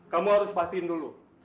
kamu harus pastiin dulu